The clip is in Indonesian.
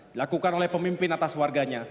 dilakukan oleh pemimpin atas warganya